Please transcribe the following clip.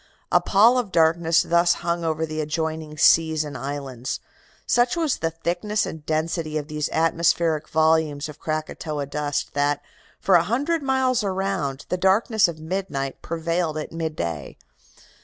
"A pall of darkness thus hung over the adjoining seas and islands. Such was the thickness and density of these atmospheric volumes of Krakatoa dust that, for a hundred miles around, the darkness of midnight prevailed at midday.